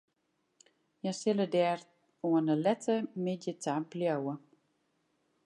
Hja sille der oan 'e lette middei ta bliuwe.